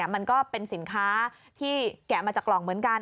มันก็เป็นสินค้าที่แกะมาจากกล่องเหมือนกัน